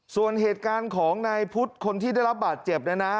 ส่วนเหตุการณ์ของนายพุทธคนที่ได้รับบาดเจ็บนะนะ